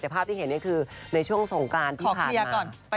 แต่ภาพที่เห็นเนี่ยคือในช่วงสงกรานที่ผ่านมา